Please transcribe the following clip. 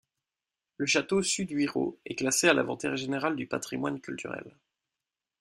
Le château Suduiraut est classé à l’Inventaire général du patrimoine culturel.